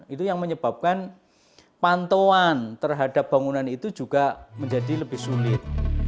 itu yang menyebabkan pantauan terhadap bangunan itu juga menjadi lebih sulit